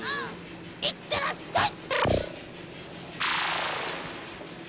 いってらっしゃい！